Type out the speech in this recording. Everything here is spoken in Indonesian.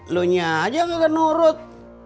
lo nya aja gak ke nurut